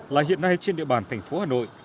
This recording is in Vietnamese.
là hiện nay trên địa bàn thành phố hà nội